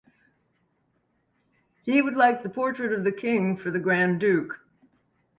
He would like the portrait of the king for the Grand Duke.